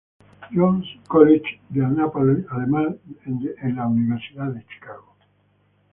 John's College de Annapolis, además de en la Universidad de Chicago.